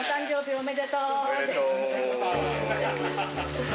おめでとう。